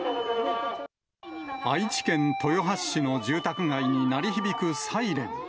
愛知県豊橋市の住宅街に鳴り響くサイレン。